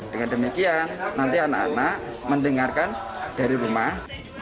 dengan demikian nanti anak anak mendengarkan dari rumah